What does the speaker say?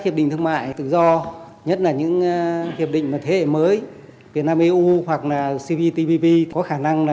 hiệp định thương mại tự do nhất là những hiệp định thế hệ mới việt nam eu hoặc là cptpp có khả năng